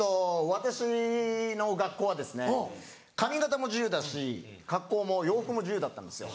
私の学校は髪形も自由だし格好も洋服も自由だったんですよ。